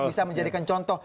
bisa menjadikan contoh